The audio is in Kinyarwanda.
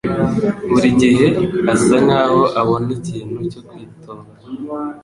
buri gihe asa nkaho abona ikintu cyo kwitoba.